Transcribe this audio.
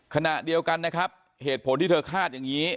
ขณะเดียวกันนะครับเหตุผลที่เธอคาดอย่างนี้